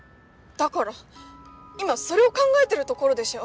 だから今それを考えてるところでしょ？